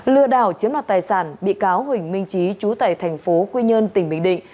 lừa đảo chiếm đoạt tài sản bị cáo huỳnh minh trí chú tài thành phố quy nhơn tỉnh bình định